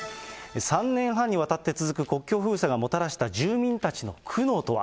３年半にわたって続く国境封鎖がもたらした住民たちの苦悩とは。